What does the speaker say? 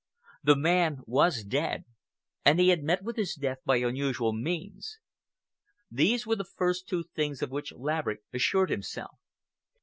The man was dead, and he had met with his death by unusual means. These were the first two things of which Laverick assured himself.